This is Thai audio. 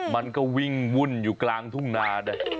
มันก็วิ่งวุ่นอยู่กลางทุ่งนานะ